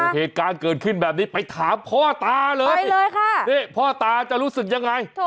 เหตุการณ์เกิดขึ้นแบบนี้ไปถามพ่อตาเลยนี่พ่อตาจะรู้สึกยังไง